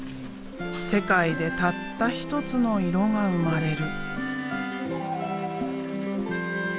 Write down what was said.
世界でたった一つの色が生まれる。